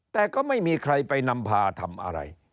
แต่ก็ไม่มีใครไปนำพาทำอะไร